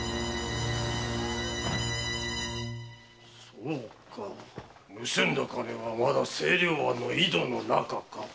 そうか盗んだ金はまだ清涼庵の井戸の中か。